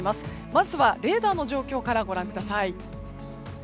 まずはレーダーの状況からご覧ください。